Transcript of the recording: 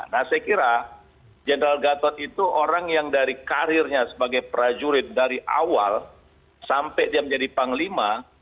nah saya kira general gatot itu orang yang dari karirnya sebagai prajurit dari awal sampai dia menjadi panglima